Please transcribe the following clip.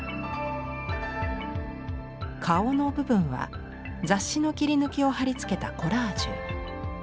顔の部分は雑誌の切り抜きを貼り付けたコラージュ。